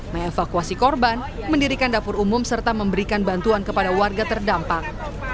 mengevakuasi korban mendirikan dapur umum serta memberikan bantuan kepada warga terdampak